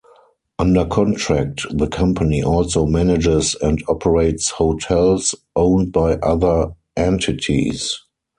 Under contract, the company also manages and operates hotels owned by other entities.